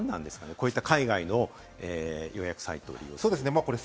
こういった海外の予約サイトというのは。